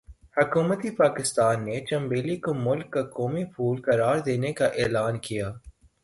حکومتِ پاکستان نے 'چنبیلی' کو ملک کا قومی پھول قرار دینے کا اعلان کیا۔